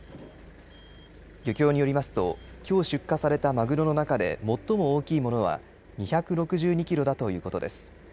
漁協によりますときょう出荷されたまぐろの中で最も大きいものは２６２キロだということです。